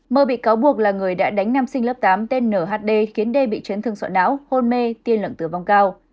mơ bị cáo buộc là người đã đánh nam sinh lớp tám tên nhd khiến đê bị chấn thương sọ não hôn mê tiên lận tử vong cao